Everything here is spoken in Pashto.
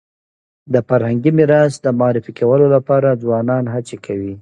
د فرهنګي میراث د معرفي کولو لپاره ځوانان هڅي کوي